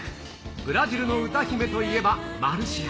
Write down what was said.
ブラジルの歌姫といえばマルシア。